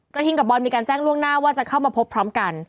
ทิงกับบอลมีการแจ้งล่วงหน้าว่าจะเข้ามาพบพร้อมกัน